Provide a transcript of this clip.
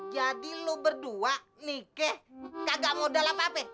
jadi lo berdua nikah kagak mau dalem apa apa